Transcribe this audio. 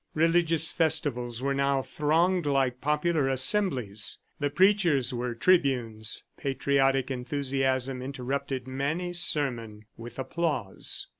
Religious festivals were now thronged like popular assemblies. The preachers were tribunes. Patriotic enthusiasm interrupted many sermon with applause.